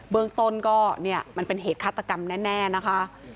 เบื้องต้นก็มันเป็นเหตุคาตกรรมแน่นะคะ